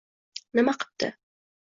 Nima qipti?